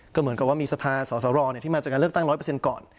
ก็เหมือนกับว่ามีสภาสอสรที่มาจากการเลือกตั้ง๑๐๐ก่อน